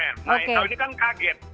nah ini kan kaget